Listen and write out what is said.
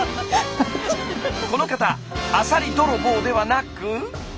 この方アサリ泥棒ではなく。